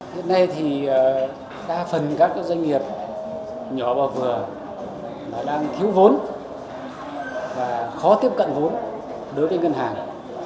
hiện nay thì đa phần các doanh nghiệp nhỏ và vừa đang thiếu vốn và khó tiếp cận vốn đối với ngân hàng